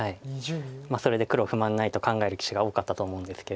それで黒不満ないと考える棋士が多かったと思うんですけれども。